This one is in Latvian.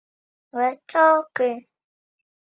Vecāki?